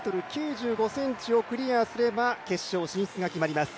１ｍ９５ｃｍをクリアすれば決勝進出が決まります。